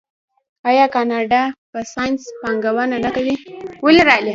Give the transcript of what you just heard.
آیا کاناډا په ساینس پانګونه نه کوي؟